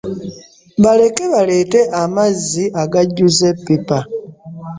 Baleke baleete amazzi agajjuza eppipa.